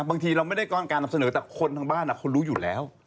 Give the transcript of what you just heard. บางทีเราไม่ได้ก้อนการนำเสนอแต่คนทางบ้านเขารู้อยู่แล้ว